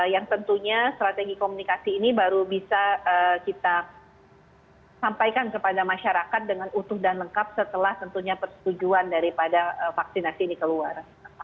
yang tentunya strategi komunikasi ini baru bisa kita sampaikan kepada masyarakat dengan utuh dan lengkap setelah tentunya persetujuan daripada vaksinasi ini keluar